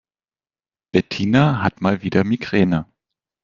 Bettina hat mal wieder Migräne.